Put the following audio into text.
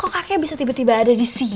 kok kakek bisa tiba tiba ada disini sih